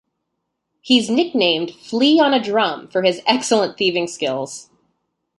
He is nicknamed "Flea on a Drum" for his excellent thieving skills.